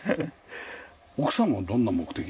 奥さんはどんな目的で？